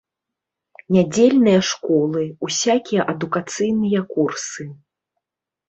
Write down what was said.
Нядзельныя школы, усякія адукацыйныя курсы.